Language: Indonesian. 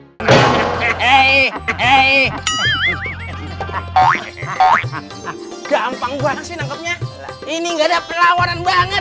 hai hai hai hai hai hai hai gampang banget sih nangkepnya ini enggak ada pelawanan banget